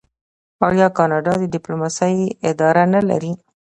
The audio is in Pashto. آیا کاناډا د ډیپلوماسۍ اداره نلري؟